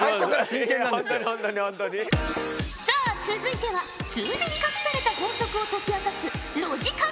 さあ続いては数字に隠された法則を解き明かすロジカル